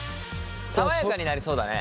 爽やかになりそうだね！